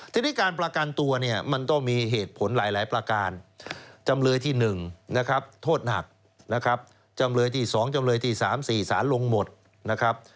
ทีนี้การประกันตัวเนี่ยมันต้องมีเหตุผลหลายประการจำเลยที่๑นะครับโทษหนักนะครับจำเลยที่๒จำเลยที่๓๔สารลงหมดนะครับ